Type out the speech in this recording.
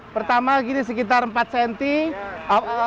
pertama gini sekitar empat cm